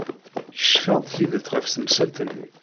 Kecfeɣ-d tidet ɣef temsalt-nni.